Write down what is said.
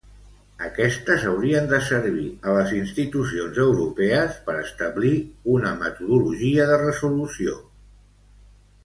Aquestes haurien de servir a les institucions europees per establir una metodologia de resolució.